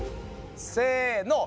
せの！